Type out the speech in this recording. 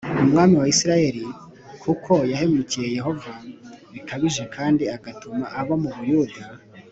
umwami wa Isirayeli kuko yahemukiye Yehova bikabije kandi agatuma abo mu Buyuda